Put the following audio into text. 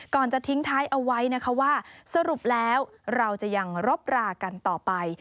จะทิ้งท้ายเอาไว้นะคะว่าสรุปแล้วเราจะยังรบรากันต่อไป